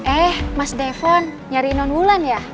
eh mas devon nyari non wulan ya